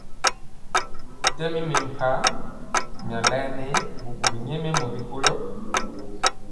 Tɛmi mɛmpah mia laɛnɛ bubuli nyɛmemɔ rikolo.